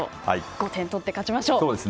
５点取って勝ちましょう。